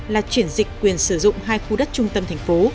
là chuyển dịch quyền sử dụng hai khu đất trung tâm thành phố